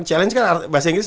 challenge kan bahasa inggris